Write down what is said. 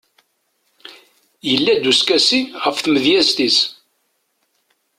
yella-d uskasi ɣef tmedyazt-is